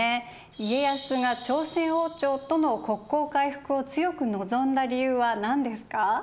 家康が朝鮮王朝との国交回復を強く望んだ理由は何ですか？